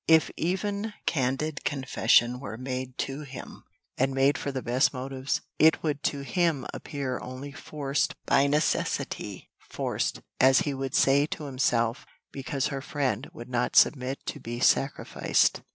If even candid confession were made to him, and made for the best motives, it would to him appear only forced by necessity forced, as he would say to himself, because her friend would not submit to be sacrificed.